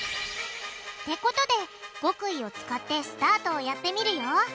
ってことで極意を使ってスタートをやってみるよ！